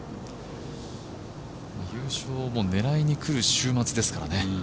優勝も狙いにくる週末ですからね。